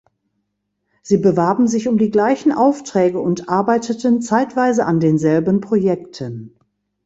Sie bewarben sich um die gleichen Aufträge und arbeiteten zeitweise an denselben Projekten.